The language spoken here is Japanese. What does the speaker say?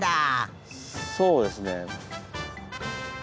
そうですね。